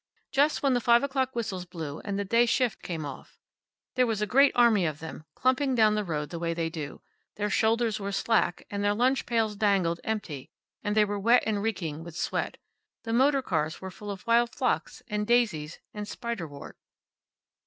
Just then the five o'clock whistles blew and the day shift came off. There was a great army of them, clumping down the road the way they do. Their shoulders were slack, and their lunch pails dangled, empty, and they were wet and reeking with sweat. The motor cars were full of wild phlox and daisies and spiderwort."